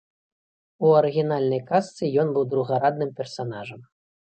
У арыгінальнай казцы ён быў другарадным персанажам.